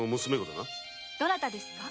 どなたですか？